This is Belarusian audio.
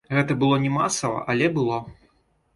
Гэта было не масава, але было.